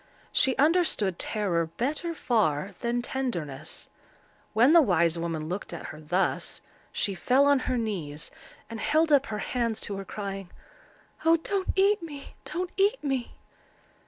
She understood terror better far than tenderness. When the wise woman looked at her thus, she fell on her knees, and held up her hands to her, crying,— "Oh, don't eat me! don't eat me!"